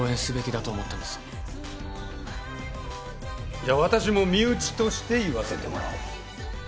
じゃあ私も身内として言わせてもらおう。